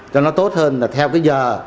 cho nó tốt hơn là theo cái giờ